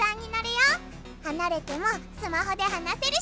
はなれてもスマホで話せるし。